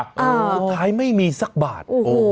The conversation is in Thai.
สุดท้ายไม่มีสักบาท